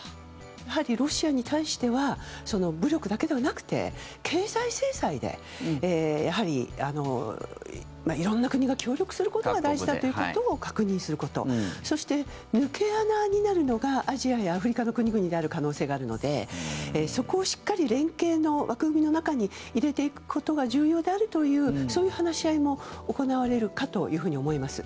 やはり、ロシアに対しては武力だけではなくて、経済制裁で色んな国が協力することが大事だということを確認することそして、抜け穴になるのがアジアやアフリカの国々である可能性があるのでそこをしっかり連携の枠組みの中に入れていくことが重要であるというそういう話し合いも行われるかというふうに思います。